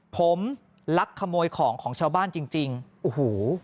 ผมลักขโมยของของชาวบ้านจริงจริงโอ้โห